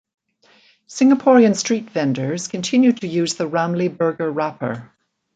Singaporean street vendors continue to use the Ramly Burger wrapper.